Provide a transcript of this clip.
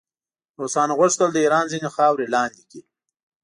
روسانو غوښتل د ایران ځینې خاورې لاندې کړي.